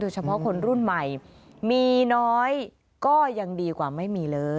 เฉพาะคนรุ่นใหม่มีน้อยก็ยังดีกว่าไม่มีเลย